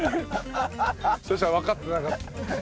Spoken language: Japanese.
そしたらわかってなかった。